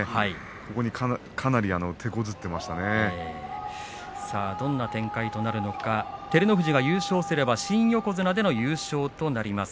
ここにどんな展開となるのか照ノ富士が優勝すれば新横綱での優勝となります。